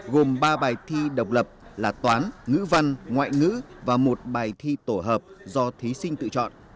gồm ba bài thi độc lập là toán ngữ văn ngoại ngữ và một bài thi tổ hợp do thí sinh tự chọn